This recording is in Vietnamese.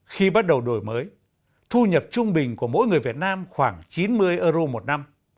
khi bắt đầu đổi mới thu nhập trung bình của mỗi người việt nam khoảng chín mươi euro một năm